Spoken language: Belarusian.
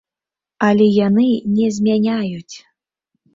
Але яны не змяняюць!